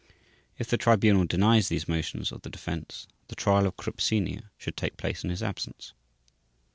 If the Tribunal denies these motions of the Defense, the Trial of Krupp Sr. should take place in his absence.